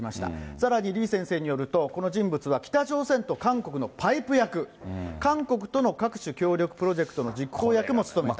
さらに李先生によると、この人物は北朝鮮と韓国のパイプ役、韓国との各種協力プロジェクトの実行役も務めた。